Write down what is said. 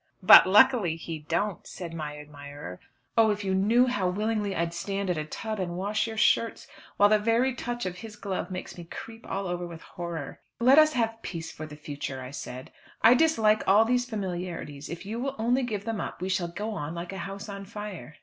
"But luckily he don't," said my admirer. Oh, if you knew how willingly I'd stand at a tub and wash your shirts, while the very touch of his gloves makes me creep all over with horror. "Let us have peace for the future," I said. "I dislike all those familiarities. If you will only give them up we shall go on like a house on fire."